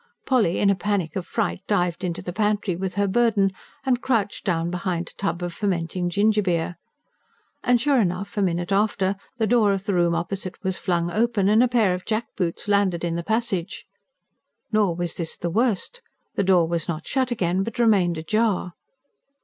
Polly, in a panic of fright, dived into the pantry with her burden, and crouched down behind a tub of fermenting gingerbeer. And sure enough, a minute after, the door of the room opposite was flung open and a pair of jackboots landed in the passage. Nor was this the worst: the door was not shut again but remained ajar.